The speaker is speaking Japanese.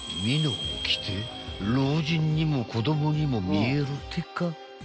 ［みのを着て老人にも子供にも見えるってか？］